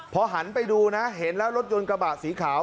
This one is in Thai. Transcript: พอหันไปดูนะเห็นแล้วรถยนต์กระบะสีขาว